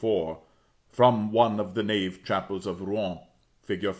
4, from one of the nave chapels of Rouen, fig.